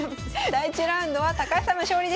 第１ラウンドは高橋さんの勝利でした。